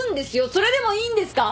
それでもいいんですか！？